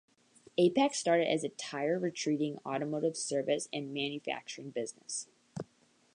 Apex started as a tire retreading, automotive service and manufacturing business.